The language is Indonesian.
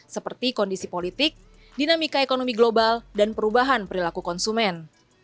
seperti kondisi politik dinamika ekonomi global dan perubahan perilaku konsumen